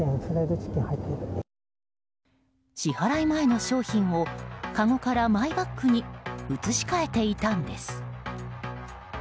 支払い前の商品をかごからマイバッグに移し替えていたんです。